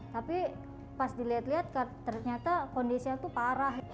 tapi pas dilihat lihat ternyata kondisinya tuh parah